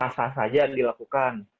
kasar saja dilakukan